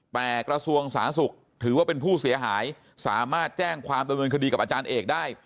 แต่กระทรวงสาธารณสุขถือว่าเป็นผู้เสียหายสามารถแจ้งความดำเนินคดีกับอาจารย์เอกได้